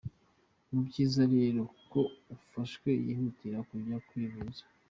Ni byiza rero ko ufashwe yihutira kujya kwivuza.